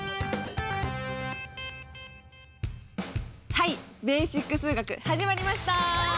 はい「ベーシック数学」始まりました。